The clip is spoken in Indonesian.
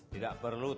tidak perlu takut